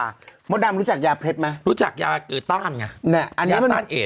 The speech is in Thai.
บ้างดีกว่ามดดำรู้จักยาเพชรไหมรู้จักยาต้านไงเนี่ยอันนี้มัน